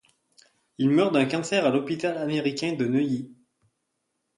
Il meurt d'un cancer à l'hôpital américain de Neuilly.